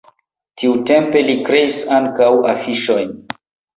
Tiutempe li kreis ankaŭ afiŝojn.